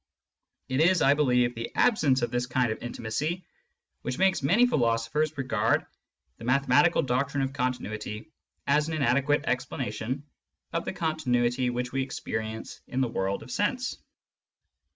It is, I believe, the absence of this kind of intimacy which makes many philosophers regard the mathematical doctrine of continuity as an inadequate explanation of the continuity which we experience in the world of sense.